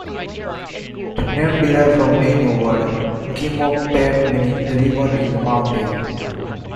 The name derived from Ainu word "kim-o-pet", meaning "The river in the mountain".